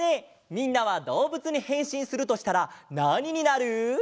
みんなはどうぶつにへんしんするとしたらなにになる？